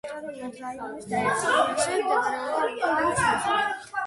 ისტორიულად რაიონის ტერიტორიაზე მდებარეობდა ლოდეინოპოლეს მაზრა.